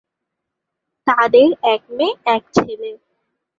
তাদের এক মেয়ে, এক ছেলে।